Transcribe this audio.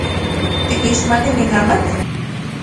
¿Tikixmati nin amatl?